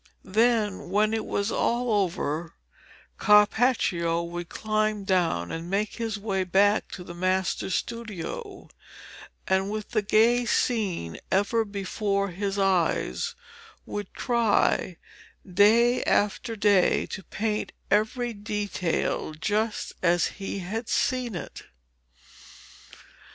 Then when it was all over, Carpaccio would climb down and make his way back to the master's studio, and with the gay scene ever before his eyes would try, day after day, to paint every detail just as he had seen it.